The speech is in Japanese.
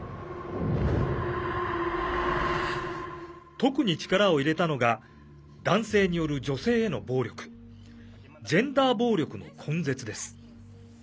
特に力を入れたのが男性による女性への暴力ジェンダー暴力の根絶です。